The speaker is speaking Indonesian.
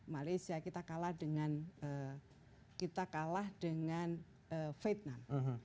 malaysia kita kalah dengan vietnam